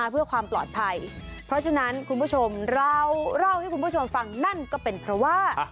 เพื่อความปลอดภัยเพราะฉะนั้นคุณผู้ชมเราเล่าให้คุณผู้ชมฟังนั่นก็เป็นเพราะว่า